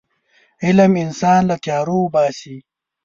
علم انسان له تیارو وباسي.